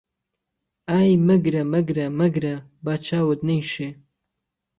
ئای مهگره مهگره مهگره با چاوت نهیشێ